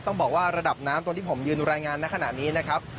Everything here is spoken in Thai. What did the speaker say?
ต้องบอกว่าระดับน้ำตรงที่ผมยืนรายงานในขณะนี้นะครับ